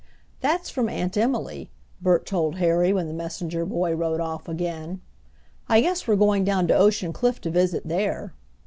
"That's from Aunt Emily," Bert told Harry when the messenger boy rode off again. "I guess we're going down to Ocean Cliff to visit there."